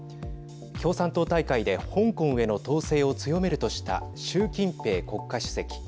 共産党大会で香港への統制を強めるとした習近平国家主席。